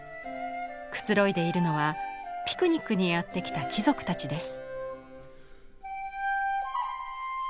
くつろいでいるのはピクニックにやって来た貴族たちです。